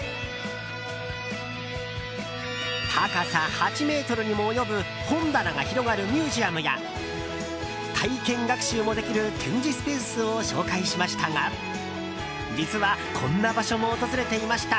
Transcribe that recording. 高さ８ｍにも及ぶ本棚が広がるミュージアムや体験学習もできる展示スペースを紹介しましたが実はこんな場所も訪れていました。